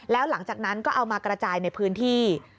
แล้วหลังจากนั้นก็เอามากระจายในพื้นที่